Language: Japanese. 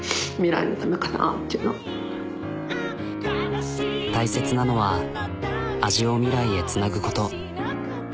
やっぱり大切なのは味を未来へつなぐこと。